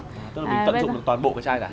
tức là mình tận dụng được toàn bộ cái chai cả